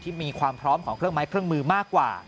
มีความพร้อมของเครื่องไม้เครื่องมือมากกว่า